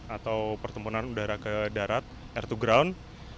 atau pertempuran udara ke darat air to ground